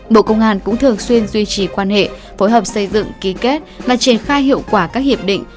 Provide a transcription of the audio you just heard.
bộ công an cũng thường xuyên duy trì quan hệ phối hợp xây dựng ký kết và triển khai hiệu quả các hiệp định